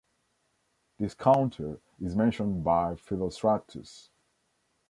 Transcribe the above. This counter is mentioned by Philostratus.